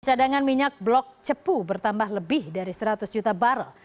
cadangan minyak blok cepu bertambah lebih dari seratus juta barrel